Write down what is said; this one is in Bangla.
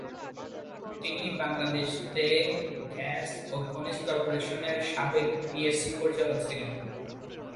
তিনি বাংলাদেশ তেল, গ্যাস ও খনিজ কর্পোরেশনের সাবেক পিএসসি পরিচালক ছিলেন।